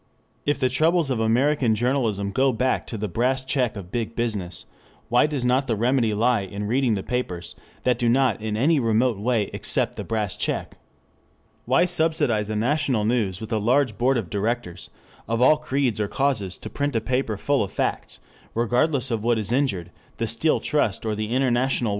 If the troubles of American journalism go back to the Brass Check of Big Business why does not the remedy lie in reading the papers that do not in any remote way accept the Brass Check? Why subsidize a "National News" with a large board of directors "of all creeds or causes" to print a paper full of facts "regardless of what is injured, the Steel Trust or the I. W.